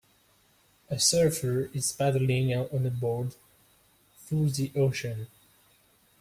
A surfer is paddling on a board through the ocean.